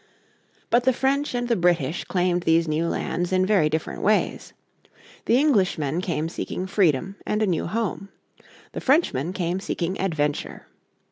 But the French and the British claimed these new lands in very different ways. The Englishmen came seeking freedom and a new home. The Frenchmen came seeking adventure.